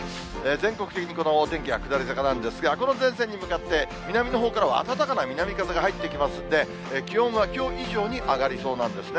全国的にこのお天気は下り坂なんですが、この前線に向かって、南のほうからは暖かな南風が入ってきますんで、気温はきょう以上に上がりそうなんですね。